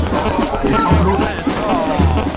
Les sanglots la secouaient.